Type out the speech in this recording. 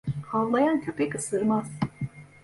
Havlayan köpek ısırmaz.